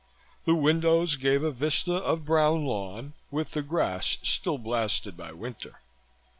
The windows gave a vista of brown lawn, with the grass still blasted by winter.